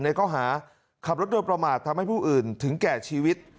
ข้อหาขับรถโดยประมาททำให้ผู้อื่นถึงแก่ชีวิต